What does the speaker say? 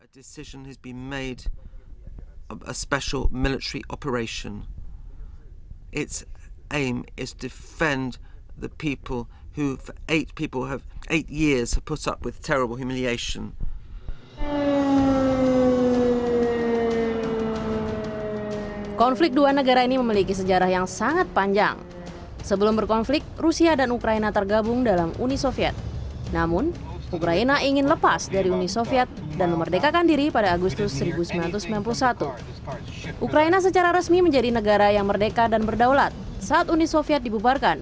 dan orang orang yang selama delapan tahun telah menyerang dengan humilisasi yang teruk